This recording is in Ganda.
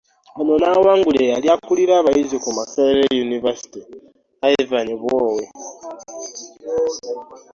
Ono n'awangula eyali akulira abayizi ku Makerere University, Ivan Bwowe